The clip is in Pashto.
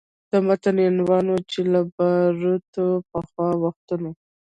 د متن عنوان و چې له باروتو پخوا وختونه